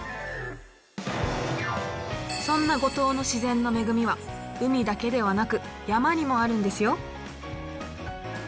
そんな五島の自然の恵みは海だけではなく山にもあるんですよ。